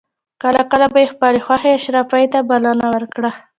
کله کله به یې خپلې خوښې اشرافي ته بلنه ورکړه.